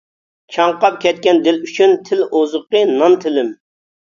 چاڭقاپ كەتكەن دىل ئۈچۈن، تىل ئوزۇقى نان تىلىم.